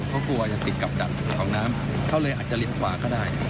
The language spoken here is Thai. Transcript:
เขากลัวจะติดกับดักของน้ำเขาเลยอาจจะลิ้นกว่าก็ได้